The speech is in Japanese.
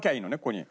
ここに。